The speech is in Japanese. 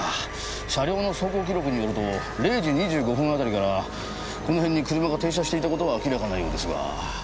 車両の走行記録によると０時２５分あたりからこの辺に車が停車していた事は明らかなようですが。